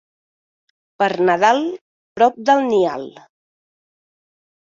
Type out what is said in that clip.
Per Nadal, prop del nial.